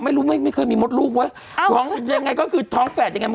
ไม่รู้ไม่ไม่เคยมีมดลูกเว้ยท้องยังไงก็คือท้องแฝดยังไง